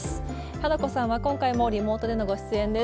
花子さんは今回もリモートでのご出演です。